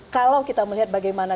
kalau kita melihat bagaimana